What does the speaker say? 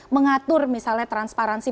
mengatur misalnya transparansi